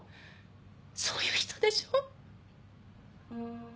そういう人でしょ？